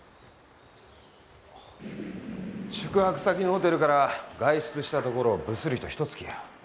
宿泊先のホテルから外出したところぶすりと一突きや。